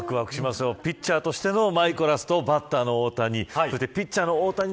ピッチャーとしてのマイコラスとバッターとしての大谷。